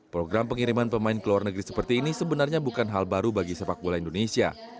program pengiriman pemain ke luar negeri seperti ini sebenarnya bukan hal baru bagi sepak bola indonesia